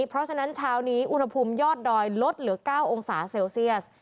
เพราะฉะนั้นเช้านี้อุณหภูมิยอดดอยลดเหลือ๙องศาเซลเซียส